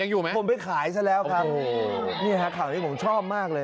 ยังอยู่ไหมผมไปขายซะแล้วค่ะโอ้โหนี่ฮะข่าวนี้ผมชอบมากเลย